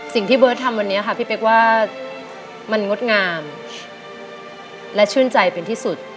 เบิร์ตทำวันนี้ค่ะพี่เป๊กว่ามันงดงามและชื่นใจเป็นที่สุด